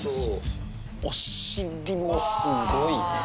お尻もすごいね。